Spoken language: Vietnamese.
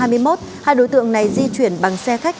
hai đối tượng này di chuyển bằng xe khách